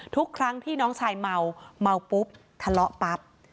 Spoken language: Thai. ทุกครั้งที่น้องชายเมาเมาปุ๊บทะเลาะปั๊บ